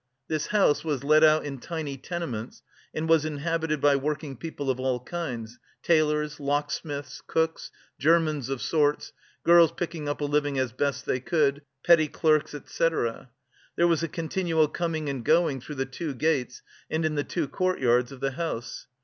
This house was let out in tiny tenements and was inhabited by working people of all kinds tailors, locksmiths, cooks, Germans of sorts, girls picking up a living as best they could, petty clerks, etc. There was a continual coming and going through the two gates and in the two courtyards of the house.